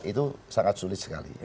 itu sangat sulit sekali